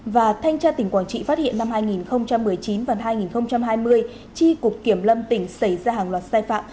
và thanh tra tỉnh quảng trị phát hiện năm hai nghìn một mươi chín và hai nghìn hai mươi tri cục kiểm lâm tỉnh xảy ra hàng loạt sai phạm